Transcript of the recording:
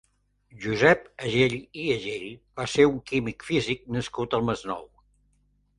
Josep Agell i Agell va ser un químic-físic nascut al Masnou.